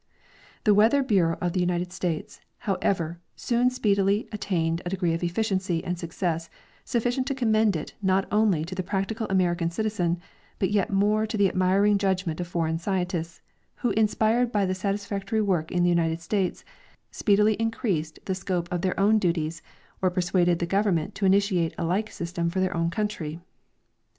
The Weather Inireau of the United States, however, soon speedily attained a degree of efficienc}^ and success sufficient to commend it not only to the practical American citizen, Init yet more to the admiring judgment of foreign scientists, who, in spired by the satisfactory work in the United States, speedily increased the scope of their own duties or persuaded the govern ment to initiate a like system for their OAvn country.